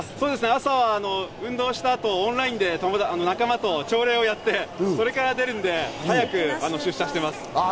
朝、運動した後、オンラインで仲間と朝礼をやって、それから出るんで、早く出社してます。